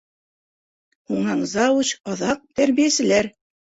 Һуңынан завуч, аҙаҡ — тәрбиәселәр...